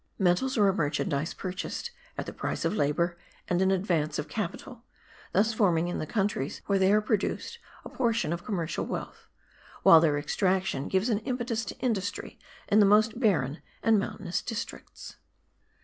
Metals are a merchandize purchased at the price of labour and an advance of capital; thus forming in the countries where they are produced a portion of commercial wealth; while their extraction gives an impetus to industry in the most barren and mountainous districts.